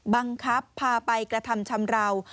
บังคับพาไปกระทำชำราว